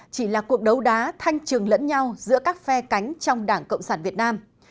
chỉ là cuộc đấu đá thanh trừng lẫn nhau giữa các phe cánh trong đảng cộng sản việt nam